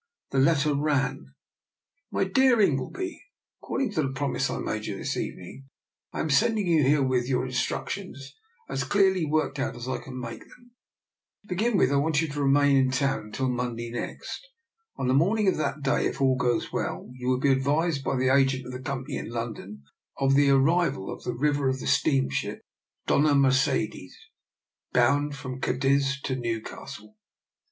The letter ran: "My dear Ingleby: According to the promise I made you this evening, I am send ing you herewith your instructions, as clearly worked out as I can make them. To begin with, I want you to remain in town until Monday next. On the morning of that day, if all goes well, you will be advised by the agent of the Company in London of the ar rival in the river of the steamship Dofia Mer cedes, bound from Cadiz to Newcastle.